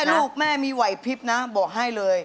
โฮลาเลโฮลาเลโฮลาเลโฮลาเล